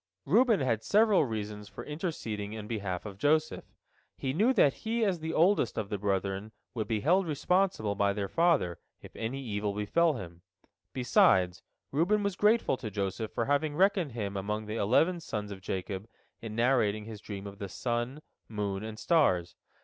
Reuben had several reasons for interceding in behalf of Joseph. He knew that he as the oldest of the brethren would be held responsible by their father, if any evil befell him. Besides, Reuben was grateful to Joseph for having reckoned him among the eleven sons of Jacob in narrating his dream of the sun, moon, and stars.